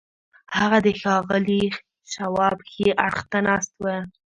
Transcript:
هغه د ښاغلي شواب ښي اړخ ته ناست و.